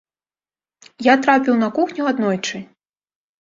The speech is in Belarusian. Я трапіў на кухню аднойчы.